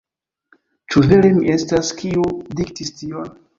Ĉu vere mi estas, kiu diktis tion?